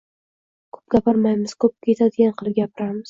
— Ko‘p gapirmaymiz, ko‘pga yetadigan qilib gapiramiz!